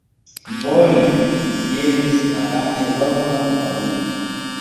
Bone! li diris, farante lokon por mi.